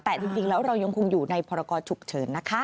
แต่จริงแล้วเรายังคงอยู่ในพรกรฉุกเฉินนะคะ